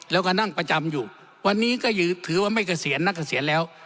แล้วก็นั่งประจำอยู่วันนี้ก็ถือว่าไม่เกษียณนักเกษียณแล้ว